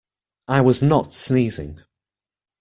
I was not sneezing.